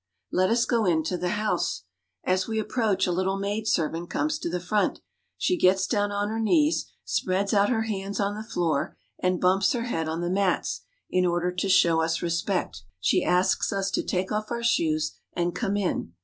Let us go into the house. As we approach, a little maidservant comes to the front. She gets down on her knees, spreads out her hands on the floor, and bumps her head on the mats, in order to show us respect. She asks us to take off our shoes and come in.